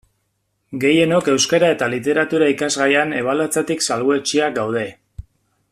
Gehienok Euskara eta Literatura irakasgaian ebaluatzetik salbuetsiak gaude.